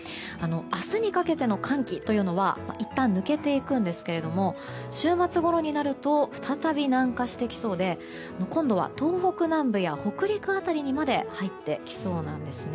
明日にかけての寒気はいったん抜けていくんですが週末ごろになると再び南下してきそうで今度は東北南部や北陸辺りにまで入ってきそうなんですね。